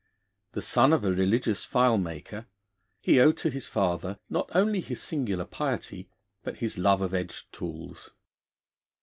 The son of a religious file maker, he owed to his father not only his singular piety but his love of edged tools.